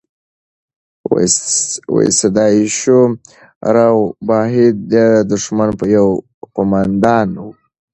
سداشیو راو بهاو د دښمن یو قوماندان و.